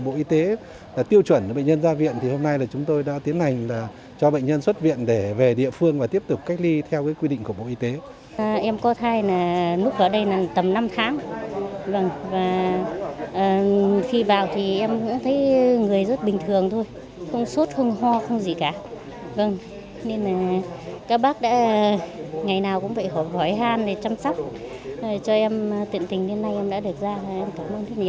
vâng nên là các bác đã ngày nào cũng phải khỏi hỏi han để chăm sóc cho em tiện tình đến nay em đã được ra em cảm ơn rất nhiều